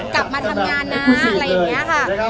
กลับมาทำงานนะอะไรอย่างนี้ค่ะ